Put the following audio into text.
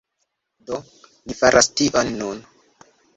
Do, ni faras tion nun